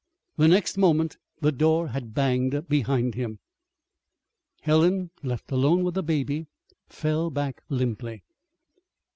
The next moment the door had banged behind him. Helen, left alone with the baby, fell back limply.